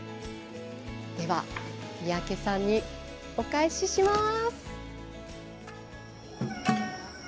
では、三宅さんにお返しします。